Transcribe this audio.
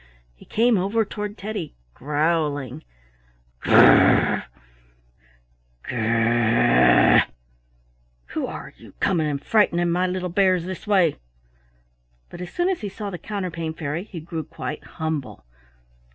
He came over toward Teddy growling, "Gur r r! gur r r r! Who are you, coming and frightening my little bears this way?" But as soon as he saw the Counterpane Fairy he grew quite humble.